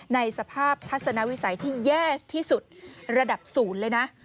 ในสภาพทัศนวิสัยที่แย่ที่สุดระดับศูนย์เลยนะ